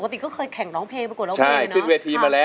ปกติก็เคยแข่งร้องเพลงบางปีนี่เนอะใช่ขึ้นเวสที่มาแล้ว